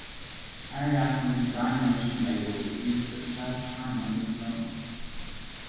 Harryhausen's "Dynamation" label was used for the first time on this film.